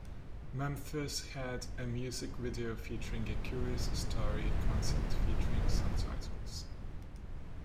"Memphis..." had a music video featuring a curious story concept featuring subtitles.